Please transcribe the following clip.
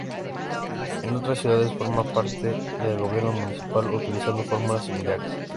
En otras ciudades forma parte del gobierno municipal utilizando fórmulas similares.